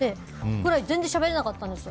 全然しゃべれなかったんです。